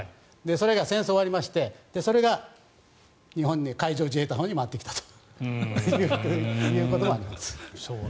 それが戦争が終わりましてそれが日本に海上自衛隊のほうに回ってきたと。